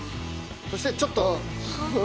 そしてちょっと。